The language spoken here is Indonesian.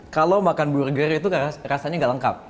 kalau makan burger itu rasanya nggak lengkap